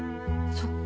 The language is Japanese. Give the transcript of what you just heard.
そっか。